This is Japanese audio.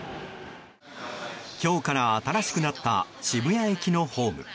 今日から新しくなった渋谷駅のホーム。